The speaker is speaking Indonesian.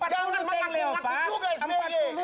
jangan melakukan laku juga sby